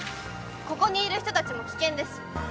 ここにいる人たちも危険です。